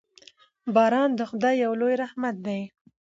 باران د خدای یو لوی رحمت دی.